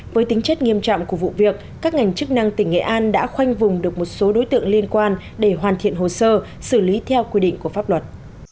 với tính chất nghiêm trọng của vụ việc các ngành chức năng tỉnh nghệ an đã khoanh vùng được một số đối tượng liên quan để hoàn thiện hồ sơ xử lý theo quy định của pháp luật